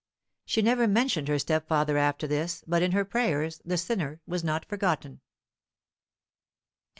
She never mentioned her stepfather after this but in her prayers the sinner was not forgotten.